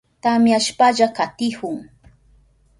Tamyashpalla katihun.